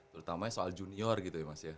terutama soal junior gitu ya mas ya